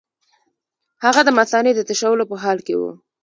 هغه د مثانې د تشولو په حال کې وو.